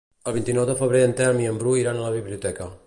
El vint-i-nou de febrer en Telm i en Bru iran a la biblioteca.